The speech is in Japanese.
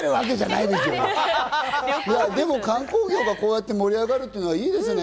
観光業がこうやって盛り上がるのはいいですね。